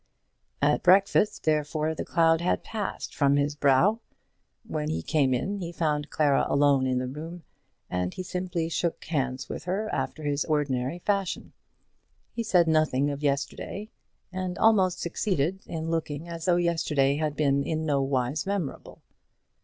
At breakfast, therefore, the cloud had passed from his brow. When he came in he found Clara alone in the room, and he simply shook hands with her after his ordinary fashion. He said nothing of yesterday, and almost succeeded in looking as though yesterday had been in no wise memorable.